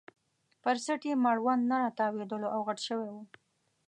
پر څټ یې مړوند نه راتاوېدلو او غټ شوی وو.